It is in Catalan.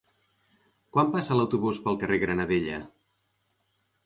Quan passa l'autobús pel carrer Granadella?